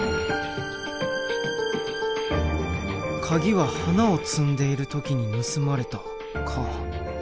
カギは花を摘んでいる時に盗まれたか。